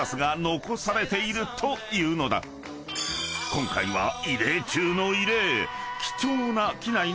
［今回は異例中の異例］